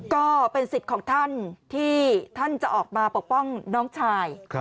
ก็เป็นสิทธิ์ของท่านที่ท่านจะออกมาปกป้องน้องชาย